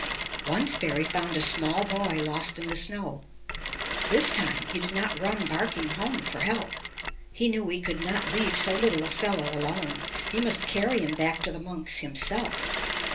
Once Barry found a small boy lost in the snow. This time he did not run barking home for help. He knew he could not leave so little a fellow alone. He must carry him back to the monks himself.